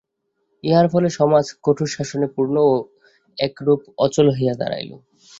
ইহার ফলে সমাজ কঠোরশাসনে পূর্ণ ও একরূপ অচল হইয়া দাঁড়াইল।